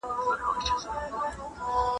دا یو ډېر ګټور او معلوماتي پروګرام دی.